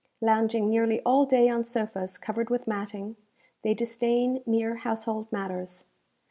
Lounging nearly all day on sofas covered with matting, they disdain mere household matters.